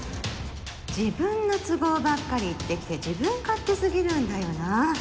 自分の都合ばっかり言ってきて自分勝手すぎるんだよな！